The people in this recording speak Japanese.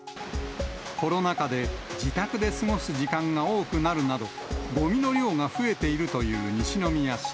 コロナ禍で自宅で過ごす時間が多くなるなど、ごみの量が増えているという西宮市。